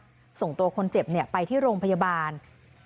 ที่สำคัญนะคะคุณผู้ชมตำรวจบอกยังไม่น่าไว้วางใจ